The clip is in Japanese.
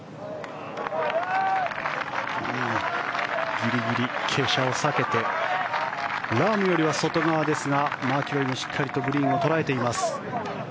ギリギリ傾斜を避けてラームよりは外側ですがマキロイもしっかりとグリーンを捉えています。